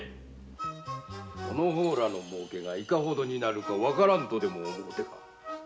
その方らのもうけがいかほどになるか分からぬと思うてか！